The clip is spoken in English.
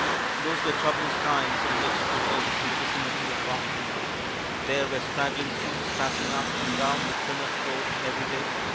Those were troublous times in which to live in the vicinity of Boston. There were straggling troops passing up and down the Plymouth road every day.